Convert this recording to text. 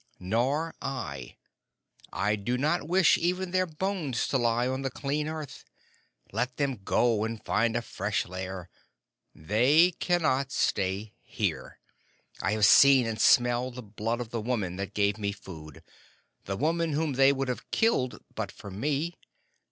"Nor I. I do not wish even their bones to lie on the clean earth. Let them go and find a fresh lair. They cannot stay here. I have seen and smelled the blood of the woman that gave me food the woman whom they would have killed but for me.